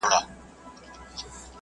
ایا زموږ د څېړنو میتودولوژي سمه ده؟